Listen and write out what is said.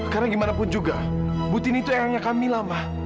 karena bagaimanapun juga putini itu anaknya kamila ma